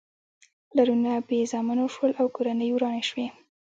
پلرونه بې زامنو شول او کورنۍ ورانې شوې.